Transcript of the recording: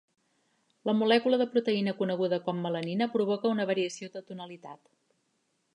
La molècula de proteïna coneguda com melanina provoca una variació de tonalitat.